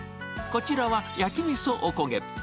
こちらは、焼きみそおこげ。